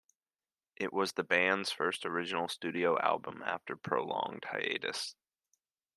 It was the band's first original studio album after a prolonged hiatus.